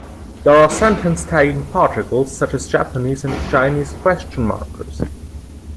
There are sentence-tagging particles such as Japanese and Chinese question markers.